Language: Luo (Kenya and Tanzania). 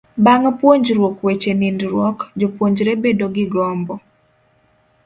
bang' puonjruok weche nindruok, jopuonjre bedo gi gombo